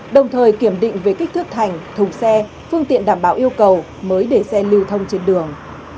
đồng thời kiểm định về kích thước thành thùng xe phương tiện đảm bảo yêu cầu mới để xe lưu thông trên đường